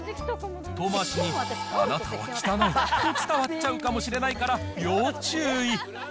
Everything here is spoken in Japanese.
遠回しに、あなたは汚いと伝わっちゃうかもしれないから要注意。